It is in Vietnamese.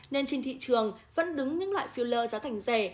nên trên thị trường vẫn đứng những loại filler giá thành rẻ